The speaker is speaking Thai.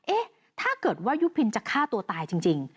เอ๊ะถ้าเกิดว่ายุพินจะฆ่าตัวตายจริง